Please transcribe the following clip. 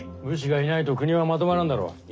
武士がいないと国はまとまらんだろう。